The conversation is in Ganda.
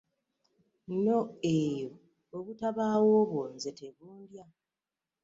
n'o eyo, obutabaawo bwo nze tebuddya.